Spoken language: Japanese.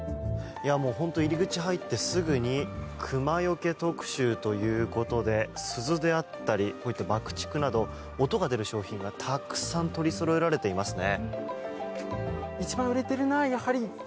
入り口、入ってすぐにクマよけ特集ということで鈴であったり爆竹など音が出る商品がたくさん取りそろえられていますね。